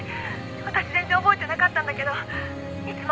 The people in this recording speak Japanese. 私全然覚えてなかったんだけどいつも